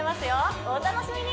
お楽しみに！